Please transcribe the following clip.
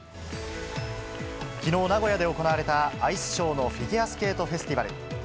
きのう、名古屋で行われたアイスショーのフィギュアスケートフェスティバル。